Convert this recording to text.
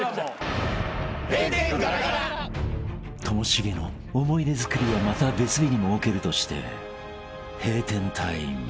［ともしげの思い出作りはまた別日に設けるとして閉店タイム］